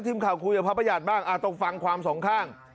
คุยกับพระประหยัดบ้างต้องฟังความสองข้าง